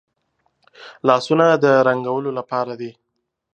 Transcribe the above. لاسونه د رنګولو لپاره دي